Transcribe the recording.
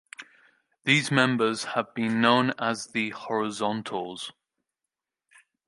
These members have been known as "the Horizontals".